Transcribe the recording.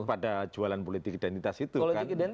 kepada jualan politik identitas itu kan